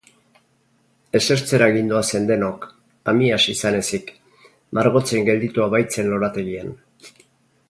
Esertzera gindoazen denok, Amyas izan ezik, margotzen gelditua baitzen lorategian.